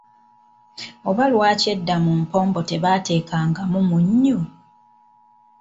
Oba lwaki edda mu mpombo tebaatekangamu munnyo?